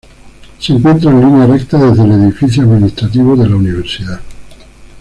Se encuentra en línea recta desde el edificio administrativo de la universidad.